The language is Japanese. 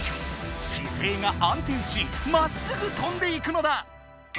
姿勢が安定しまっすぐ飛んでいくのだ！